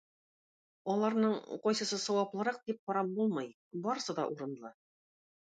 Аларның кайсысы саваплырак дип карап булмый, барысы да урынлы.